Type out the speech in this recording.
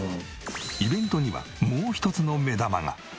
イベントにはもう一つの目玉が。